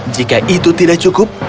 jika itu tidak cukup